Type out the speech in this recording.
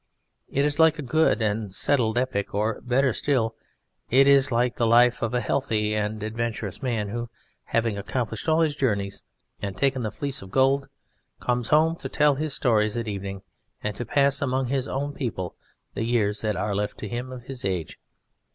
It is like a good and settled epic; or, better still, it is like the life of a healthy and adventurous man who, having accomplished all his journeys and taken the Fleece of Gold, comes home to tell his stories at evening, and to pass among his own people the years that are left to him of his age.